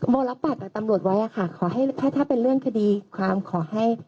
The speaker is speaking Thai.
โบรับปะแต่ดังโรจว่ะค่ะขอให้ถ้าเป็นเรื่องคดีความขอให้